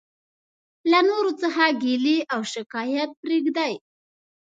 له نورو څخه ګيلي او او شکايت پريږدٸ.